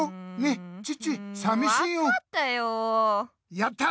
やった！